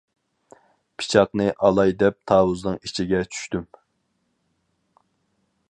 پىچاقنى ئالاي دەپ تاۋۇزنىڭ ئىچىگە چۈشتۈم.